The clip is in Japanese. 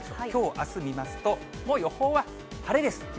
きょうあす見ますと、もう予報は晴れです。